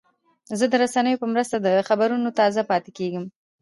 زه د رسنیو په مرسته د خبرونو تازه پاتې کېږم.